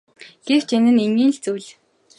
Гэвч энэ нь энгийн л зүйл.